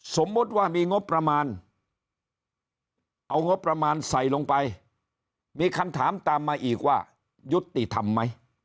สมมุติว่ามีงบประมาณเอางบประมาณใส่ลงไปมีคำถามตามมาอีกว่ายุติธรรมไหม